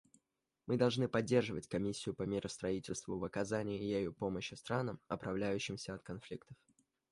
Мы должны поддерживать Комиссию по миростроительству в оказании ею помощи странам, оправляющимся от конфликтов.